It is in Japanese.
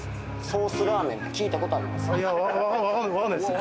ソースラーメンは聞いたことないです？